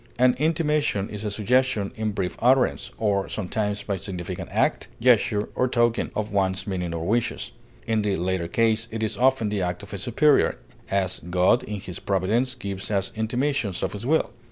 An intimation is a suggestion in brief utterance, or sometimes by significant act, gesture, or token, of one's meaning or wishes; in the latter case it is often the act of a superior; as, God in his providence gives us intimations of his will.